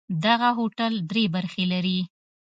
دغه هوټل درې برخې لري.